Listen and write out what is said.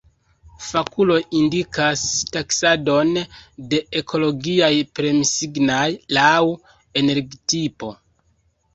Fakuloj indikas taksadon de ekologiaj premsignaj laŭ energitipo.